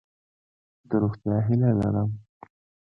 د روغتیا هیله لرم.